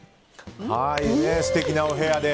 素敵なお部屋で。